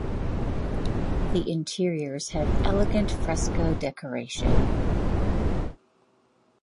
The interiors have elegant fresco decoration.